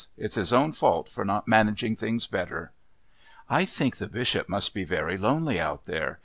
It's his own fault, for not managing things better." "I think the Bishop must be very lonely out there.